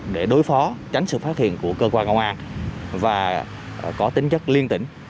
để đối phó tránh sự phát hiện của cơ quan công an và có tính chất liên tỉnh